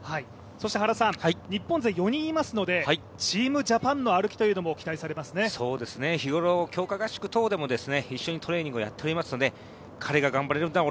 そして日本勢４人いますのでチームジャパンの歩きも日頃、強化合宿等でもね一緒にトレーニングやっておりますので、彼が頑張れるなら